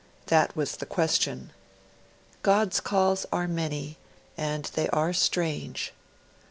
That was the question. God's calls are many, and they are strange.